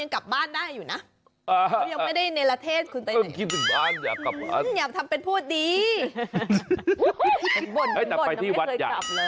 ก่วยตากของเดช